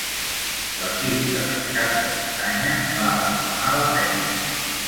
L'equip de rescat de muntanya va abandonar la feina.